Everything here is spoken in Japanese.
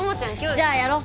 じゃあやろう